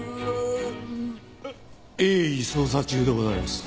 鋭意捜査中でございます。